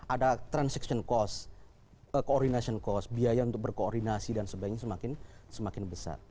ada transaction cost coordination cost biaya untuk berkoordinasi dan sebagainya semakin besar